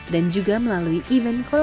dan juga melalui event kolonial